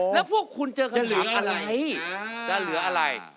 แล้วคุณเจอกันถามอ่ะจะเหลืออะไร